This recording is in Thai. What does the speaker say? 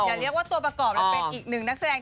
อย่าเรียกว่าตัวประกอบมันเป็นอีกหนึ่งนักแสดง